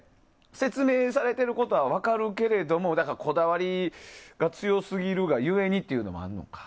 説明されてることは分かるけれどもだから、こだわりが強すぎるが故にってこともあるのか。